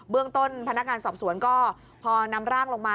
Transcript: เรื่องต้นพนักงานสอบสวนก็พอนำร่างลงมา